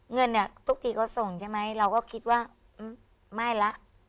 เงินเนี่ยทุกทีเขาส่งใช่ไหมเราก็คิดว่าไม่ละ